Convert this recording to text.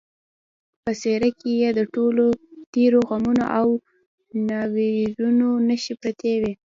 په څېره کې یې د ټولو تېرو غمونو او ناورینونو نښې پرتې وې